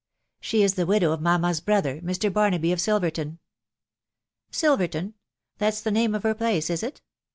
" She is the widow of mamma's brother, Mr. Barnaby of Silver ton." " Silverton ?.... That's the name of her place, is it